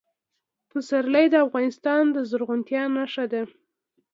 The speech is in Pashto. پسرلی د افغانستان د زرغونتیا نښه ده.